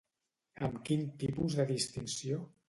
Amb quin tipus de distinció?